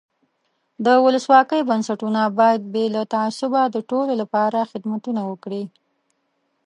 د ولسواکۍ بنسټونه باید بې له تعصبه د ټولو له پاره خدمتونه وکړي.